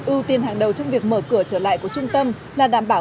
ưu tiên hàng đầu trong việc mở cửa trở lại của trung tâm là đảm bảo